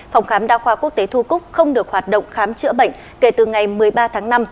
phòng khám đa khoa quốc tế thu cúc không được hoạt động khám chữa bệnh kể từ ngày một mươi ba tháng năm